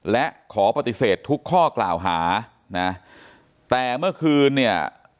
และขอปฏิเสธทุกข้อกล่าวหานะแต่เมื่อคืนเนี่ย